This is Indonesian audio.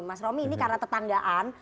mas romi ini karena tetanggaan